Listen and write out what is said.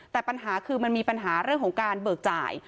แต่ปัญหาคือมันมีปัญหาเรื่องของการเบิกจ่าย